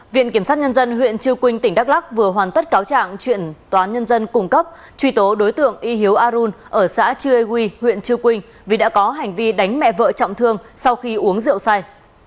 viện kiểm sát nhân dân huyện chư quynh tỉnh đắk lắc vừa hoàn tất cáo trạng chuyển tòa nhân dân cung cấp truy tố đối tượng y hiếu a run ở xã chư e huy huyện chư quynh vì đã có hành vi đánh mẹ vợ trọng thương sau khi uống rượu sai